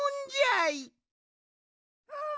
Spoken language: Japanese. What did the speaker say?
うん！